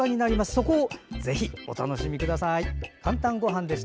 そこをぜひお楽しみください。